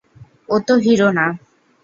ও তো হিরো না।